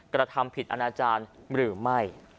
กระทำผิดอนาจารย์หรือไม่